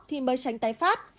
thì mới tránh tái phát